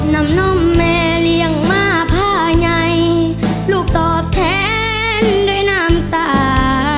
นำน่อมแม่เลี้ยงมาผ้าใยลูกตอบแทนด้วยน้ำตา